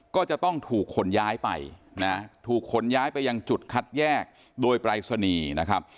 ก็จะต้องถูกขนย้ายไปนะถูกขนย้ายไปยังจุดคัดแยกโดยปรายศนีย์นะครับ